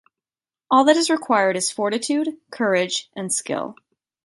All that is required is fortitude, courage and skill.